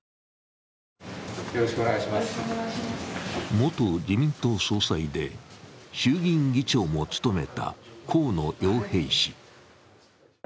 元自民党総裁で衆議院議長も務めた河野洋平氏。